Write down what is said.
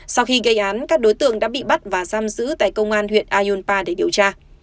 sau khi gây án các đối tượng đã bị bắt và giam giữ tại công an huyện ayunpa để điều tra